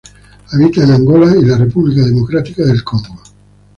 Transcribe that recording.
Habita en Angola y la República Democrática del Congo.